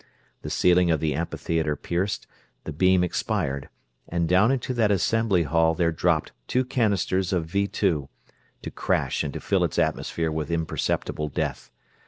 The ceiling of the amphitheater pierced, the beam expired; and down into that assembly hall there dropped two canisters of Vee Two; to crash and to fill its atmosphere with imperceptible death.